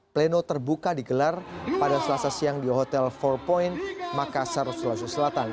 pleno terbuka digelar pada selasa siang di hotel empat makassar sulawesi selatan